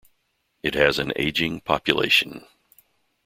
It has an ageing population.